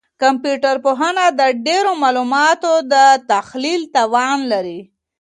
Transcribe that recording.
کمپيوټر پوهنه د ډېرو معلوماتو د تحلیل توان لري.